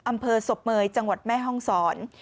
อำเภอสบเมย์จังหวัดแม่ห้องสอน